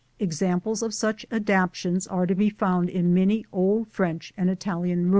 Examples of such adaptations are to be found in many old French and Italian rooms.